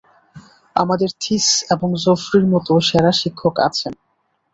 আমাদের থিস এবং জফরির মত সেরা শিক্ষক আছেন।